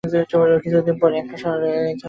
কিছু দিন এক শহরে থাকা।